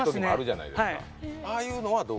ああいうのはどう？